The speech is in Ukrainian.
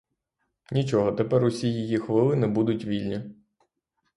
Нічого, тепер усі її хвилини будуть вільні.